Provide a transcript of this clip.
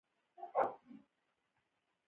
د ملا د تیر په دواړو خواوو دي.